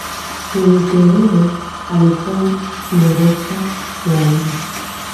Mwenyewe Tetere alikuwa ghorofa ya nne